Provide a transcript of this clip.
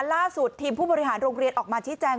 ล่าสุดทีมผู้บริหารโรงเรียนออกมาชี้แจง